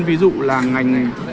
ví dụ là ngành này